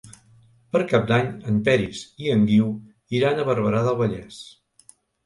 Per Cap d'Any en Peris i en Guiu iran a Barberà del Vallès.